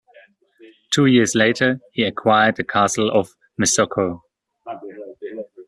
Two years later he acquired the castle of Mesocco.